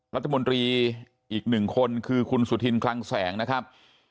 รัฐมนตรีอีกหนึ่งคนคือคุณสุธินคลังแสงนะครับ